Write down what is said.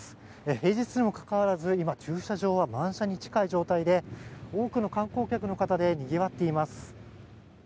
平日にもかかわらず、今、駐車場は満車に近い状態で多くの観光客の方でにぎわっています。